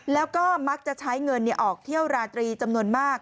แล้วก็มักจะใช้เงินออกเที่ยวราตรีจำนวนมาก